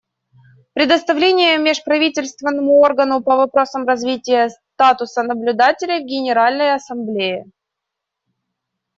Предоставление Межправительственному органу по вопросам развития статуса наблюдателя в Генеральной Ассамблее.